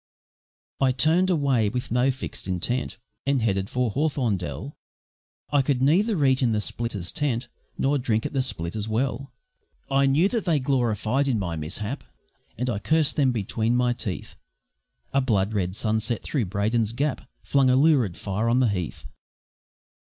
I turned away with no fixed intent And headed for Hawthorndell; I could neither eat in the splitters' tent, Nor drink at the splitters' well; I knew that they gloried in my mishap, And I cursed them between my teeth A blood red sunset through Brayton's Gap Flung a lurid fire on the heath.